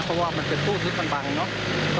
เพราะว่ามันเป็นตู้ที่มันบังเนอะ